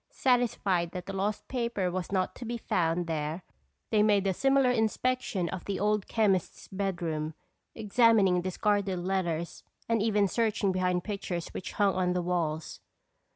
Satisfied that the lost paper was not to be found there they made a similar inspection of the old chemist's bedroom, examining discarded letters and even searching behind pictures which hung on the walls.